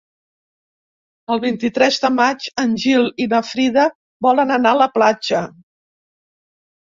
El vint-i-tres de maig en Gil i na Frida volen anar a la platja.